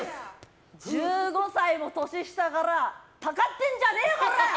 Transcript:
１５歳も年下からたかってんじゃねえよ、コラ！